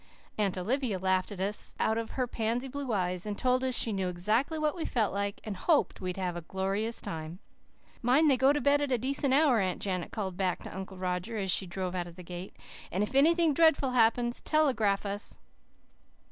Aunt Olivia laughed at us out of her pansy blue eyes, and told us she knew exactly what we felt like and hoped we'd have a gorgeous time. "Mind they go to bed at a decent hour," Aunt Janet called back to Uncle Roger as she drove out of the gate. "And if anything dreadful happens telegraph us."